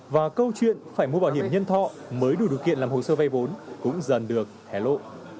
và câu chuyện phải mua bảo hiểm nhân thọ mới đủ điều kiện làm hồ sơ vay vốn cũng dần được hẻ lộ